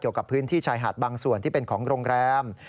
กับพื้นที่ชายหาดบางส่วนที่เป็นของโรงแรม